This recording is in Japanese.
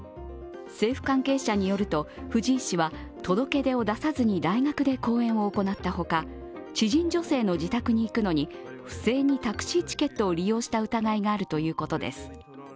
政府関係者によると藤井氏は届け出を出さずに大学で講演を行ったほか、知人女性の自宅に行くのに不正にタクシーチケットを利用した疑いがあるということです。